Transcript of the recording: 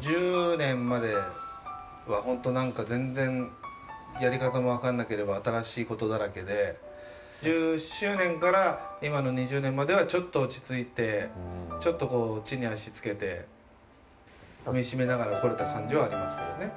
１０年までは、ほんとなんか全然やり方も分かんなければ新しいことだらけで、１０周年から今の２０年まではちょっと落ちついて、ちょっと地に足つけて踏み締めながら来れた感じはありますけどね。